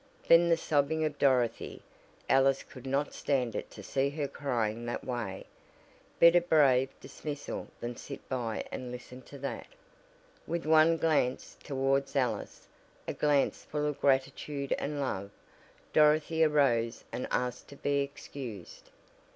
Then the sobbing of Dorothy Alice could not stand it to see her crying that way; better brave dismissal than sit by and listen to that. With one glance towards Alice a glance full of gratitude and love. Dorothy arose and asked to be excused.